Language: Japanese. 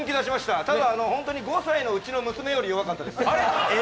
ただ５歳のうちの娘より弱かったです。